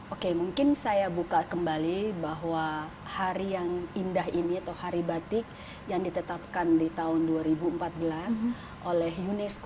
oke mungkin saya buka kembali bahwa hari yang indah ini atau hari batik yang ditetapkan di tahun dua ribu empat belas oleh unesco